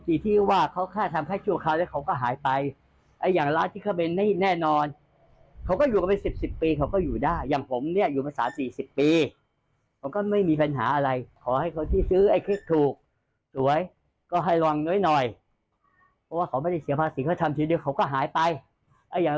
กี่วันกี่สัปดาห์ฟังเสียงพี่ก็หน่อยนะครับ